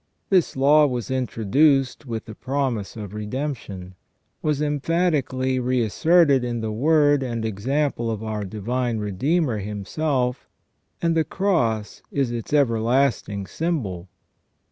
This law was introduced with the promise of redemption ; was em phatically re asserted in the word and example of our Divine Redeemer Himself, and the Cross is its everlasting symbol.